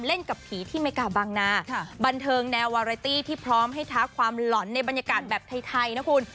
กับผีที่อเมริกาบางนาบันเทิงแนววาไรตี้ที่พร้อมให้ทักความหล่อนในบรรยากาศแบบไทยนะคุณ